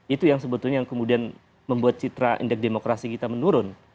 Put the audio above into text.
itu yang sebetulnya yang kemudian membuat citra indeks demokrasi kita menurun